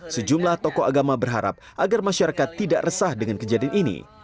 sejumlah tokoh agama berharap agar masyarakat tidak resah dengan kejadian ini